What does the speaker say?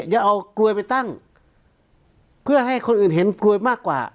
อย่าเอากลวยไปตั้งเพื่อให้คนอื่นเห็นกลวยมากกว่า